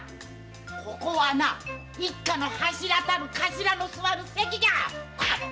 ここは一家の柱たる頭の座る席じゃ！